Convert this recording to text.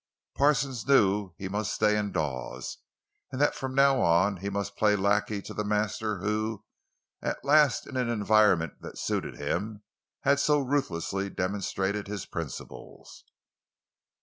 Parsons knew he must stay in Dawes, and that from now on he must play lackey to the master who, at last in an environment that suited him, had so ruthlessly demonstrated his principles.